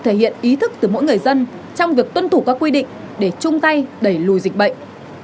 thể hiện ý thức từ mỗi người dân trong việc tuân thủ các quy định để chung tay đẩy lùi dịch bệnh